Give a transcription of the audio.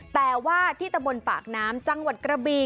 แต่ว่าที่ตะบนปากน้ำจังหวัดกระบี